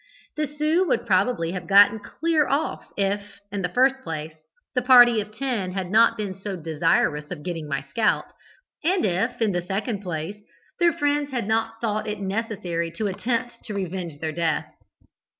The Sioux would probably have got clear off if, in the first place, the party of ten had not been so desirous of getting my scalp, and if, in the second place, their friends had not thought it necessary to attempt to revenge their death.